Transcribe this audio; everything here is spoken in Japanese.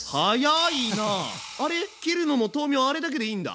切るのも豆苗あれだけでいいんだ？